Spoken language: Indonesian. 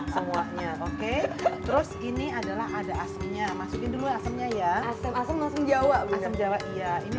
semuanya oke terus ini adalah ada aslinya masukin dulu asemnya ya asam asam langsung jawa asem jawa iya ini